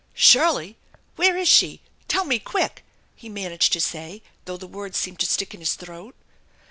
" Shirley ! Where is she ? Tell me, quick !" he managed to say, though the words seemed to stick in his throat.